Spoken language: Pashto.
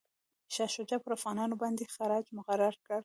شاه شجاع پر افغانانو باندي خراج مقرر کړ.